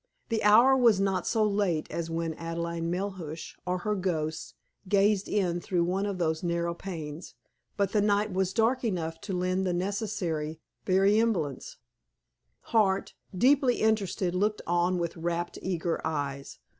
The hour was not so late as when Adelaide Melhuish, or her ghost, gazed in through one of those narrow panes, but the night was dark enough to lend the necessary vraisemblance. Hart, deeply interested, looked on with rapt, eager eyes.